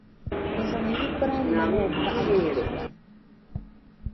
bɛ zaŋ Ibram min’ o paɣa yihi soli.